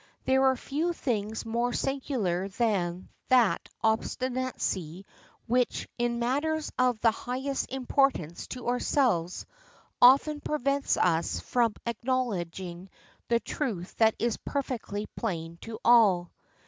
There are few things more singular than that obstinacy which, in matters of the highest importance to ourselves, often prevents us from acknowledging the truth that is perfectly plain to all.